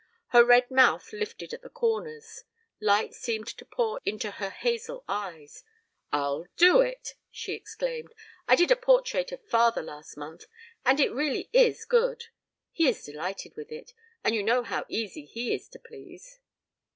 Her red mouth lifted at the corners, light seemed to pour into her hazel eyes. "I'll do it!" she exclaimed. "I did a portrait of father last month and it really is good. He is delighted with it, and you know how easy he is to please!